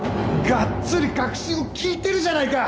がっつり核心を聞いてるじゃないか！